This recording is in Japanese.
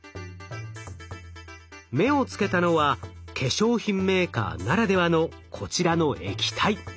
目をつけたのは化粧品メーカーならではのこちらの液体。